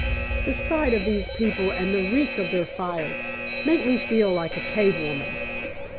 "The sight of these people and the reek of their fires make me feel like a cave woman.